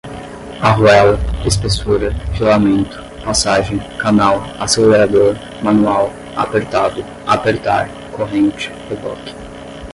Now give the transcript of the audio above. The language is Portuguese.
arruela, espessura, filamento, passagem, canal, acelerador, manual, apertado, apertar, corrente, reboque